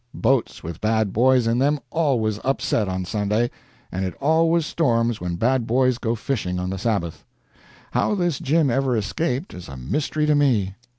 Boats with bad boys in them always upset on Sunday, and it always storms when bad boys go fishing on the Sabbath. How this Jim ever escaped is a mystery to me.